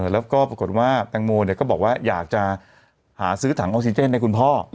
แล้วก็ปรากฏว่าแตงโมก็บอกว่าอยากจะหาซื้อถังออกซิเจนให้คุณพ่อ